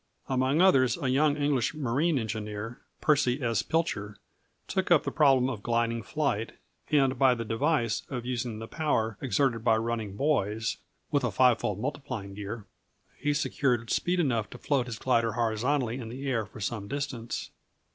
Among others, a young English marine engineer, Percy S. Pilcher, took up the problem of gliding flight, and by the device of using the power exerted by running boys (with a five fold multiplying gear) he secured speed enough to float his glider horizontally in the air for some distance.